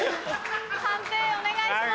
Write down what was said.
判定お願いします。